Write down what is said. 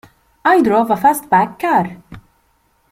I drove a fastback car.